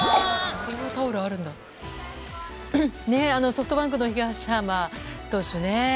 ソフトバンクの東浜投手ね。